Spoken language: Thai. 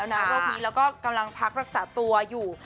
โรคนี้แล้วก็กำลังพักรักษาตัวอยู่